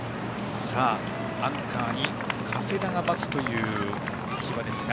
アンカーに加世田が待つという千葉。